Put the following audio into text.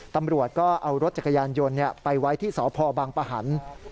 ตำรวจก็เอารถจักรยานยนต์ไปไว้ที่สพบังปะหัน